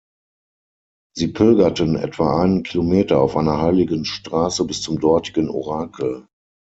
Sie pilgerten etwa einen Kilometer auf einer heiligen Straße bis zum dortigen Orakel.